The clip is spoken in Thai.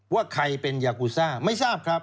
ว่าใครเป็นยากูซ่าไม่ทราบครับ